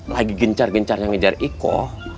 lagi gencar gencarnya ngejar iko